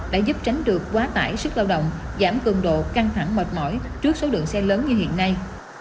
đã giúp tránh được quá tải sức lao động giảm cường độ căng thẳng mệt mỏi trước số lượng xe lớn như hiện nay